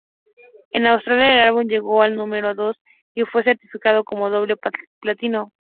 En Australia, el álbum llegó al número dos, y fue certificado como doble platino.